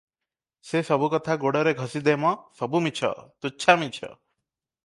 ସେ ସବୁ କଥା ଗୋଡ଼ରେ ଘଷି ଦେ ମ, ସବୁ ମିଛ, ତୁଚ୍ଛା ମିଛ ।